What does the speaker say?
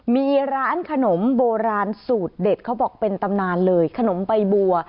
มีร้านขนมโบราณสูตรเด็ดเขาบอกเป็นตำนานเลยขนมใบบัว